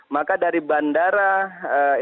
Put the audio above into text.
maka dari bandara internasional